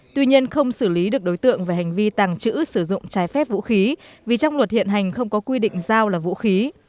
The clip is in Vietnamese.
tuy nhiên không xử lý được đối tượng về hành vi tàng trữ sử dụng trái phép vũ khí vì trong luật hiện hành không có quy định dao là vũ khí